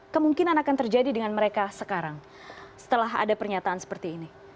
kemungkinan akan terjadi dengan mereka sekarang setelah ada pernyataan seperti ini